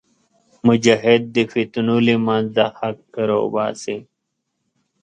مجاهد د فتنو له منځه حق راوباسي.